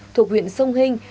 thuộc huyện sông hinh